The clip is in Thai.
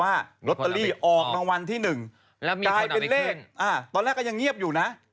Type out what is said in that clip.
อ่ะตอนแรกก็ยังเงียบอยู่นะ